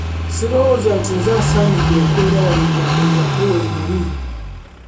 Sirowooza nti nze asaanidde okwera wano nga mmwe abato weemuli.